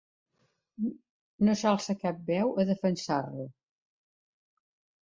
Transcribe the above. No s'alçà cap veu a defensar-lo.